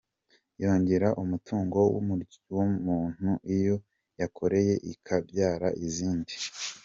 Yongera umutungo w’umuntu iyo yororotse ikabyara izindi.